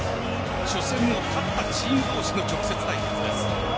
初戦を勝ったチーム同士の直接対決です。